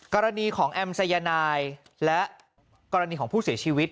กรณีของแอมสายนายและกรณีของผู้เสียชีวิต